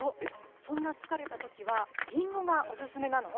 そんな疲れたときは、りんごがおすすめなの？